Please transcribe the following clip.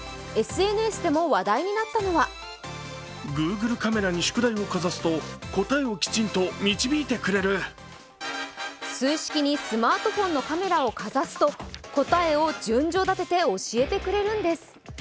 ＳＮＳでも話題になったのが数式にスマートフォンのカメラをかざすと答えを順序立てて教えてくれるんです。